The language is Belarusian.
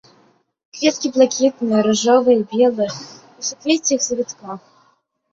Кветкі блакітныя, ружовыя, белыя, у суквеццях-завітках.